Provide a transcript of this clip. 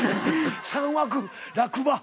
３枠落馬。